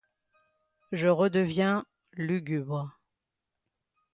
Je redeviens lugubre.